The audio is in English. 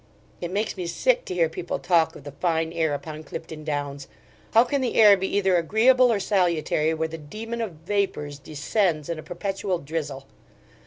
It makes me sick to hear people talk of the fine air upon Clifton downs: How can the air be either agreeable or salutary, where the demon of vapours descends in a perpetual drizzle?